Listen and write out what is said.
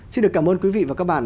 xin được cảm ơn quý vị và các bạn